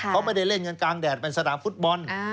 เขาไม่ได้เล่นกันกลางแดดเป็นสนามฟุตบอล